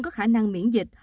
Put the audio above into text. có khả năng miễn dịch